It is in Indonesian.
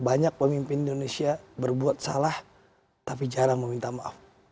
banyak pemimpin indonesia berbuat salah tapi jarang meminta maaf